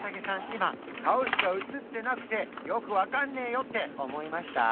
今顔しか映ってなくてよく分かんねえよって思いました？